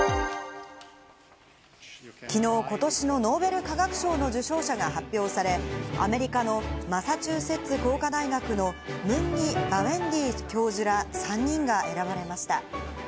きのう、ことしのノーベル化学賞の受賞者が発表され、アメリカのマサチューセッツ工科大学のムンギ・バウェンディ教授ら、３人が選ばれました。